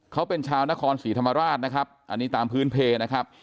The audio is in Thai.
เขาเป็นชาวนครศรีธรรมราชนะครับอันนี้ตามพื้นเพนะครับ